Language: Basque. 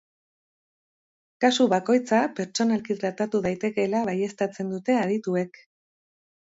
Kasu bakoitza pertsonalki tratatu daitekeela baieztatzen dute adituek.